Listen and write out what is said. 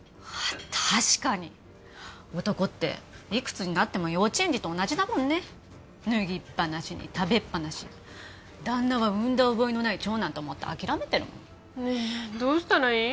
確かに男っていくつになっても幼稚園児と同じだもんね脱ぎっぱなしに食べっぱなし旦那は産んだ覚えのない長男と思って諦めてるもんねえどうしたらいい？